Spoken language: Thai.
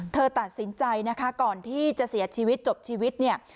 เธอตัดสินใจนะคะก่อนที่จะเสียชีวิตจบชีวิตเนี่ย